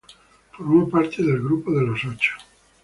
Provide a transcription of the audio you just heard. Formó parte del Grupo de los Ocho.